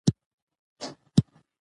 ازادي راډیو د د ښځو حقونه پرمختګ سنجولی.